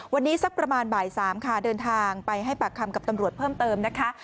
วันนี้สักประมาณบ่าย๓ค่ะเดินทางไปให้ปากคำกับตำรวจเพิ่มเติมนะคะ